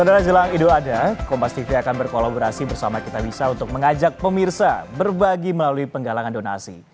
saudara jelang ido ada kompastv akan berkolaborasi bersama kita bisa untuk mengajak pemirsa berbagi melalui penggalangan donasi